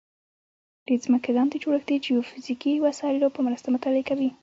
د ځمکې لاندې جوړښت د جیوفزیکي وسایلو په مرسته مطالعه کوي